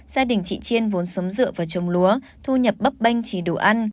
gia đình chị chiên vốn sống dựa và trồng lúa thu nhập bắp banh chỉ đủ ăn